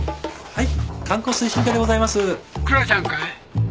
はい。